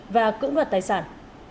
và cưỡng đoạt tài sản